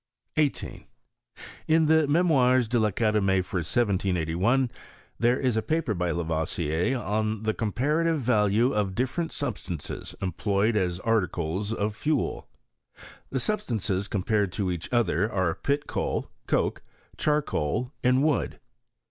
. 18. In the Memoires de TAcademie, for 1781, there is a paper by Lavoisier on the comparative value of the different substances employed as articles of fuel. The substances compared to each other are pit coal, coke, charcoal, and wood.